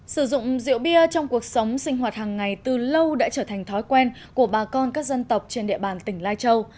sử dụng rượu bia trong cuộc sống sinh hoạt hàng ngày từ lâu đã trở thành thói quen của bà con các dân tộc trên địa bàn tỉnh lai châu